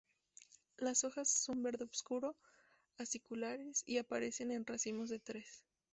Las hojas son verde oscuro, aciculares y aparecen en racimos de tres.